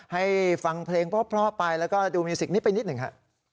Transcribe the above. ให้ฟังเพลงเพราะไปแล้วก็ดูมิวสิกนี้ไปนิดหนึ่งฮะ